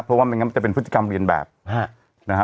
เพราะว่าไม่งั้นจะเป็นพฤติกรรมเวียนแบบนะฮะ